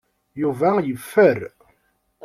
Yuba yeffer.